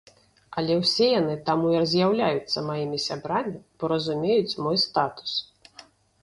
Але ўсе яны таму і з'яўляюцца маімі сябрамі, бо разумеюць мой статус.